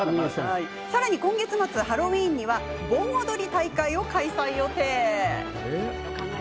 さらに、今月末ハロウィーンには大盆踊り大会を開催予定。